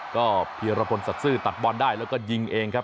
ก็พิรพัฒน์ศัตริย์ตัดบอลได้แล้วก็ยิงเองครับ